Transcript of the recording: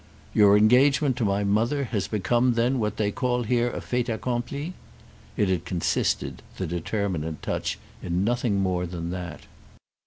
"Your engagement to my mother has become then what they call here a fait accompli?"—it had consisted, the determinant touch, in nothing more than that.